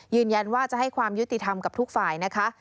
ยืนยันว่าจะให้ความยุติธรรมกับทุกฝ่ายนะคะ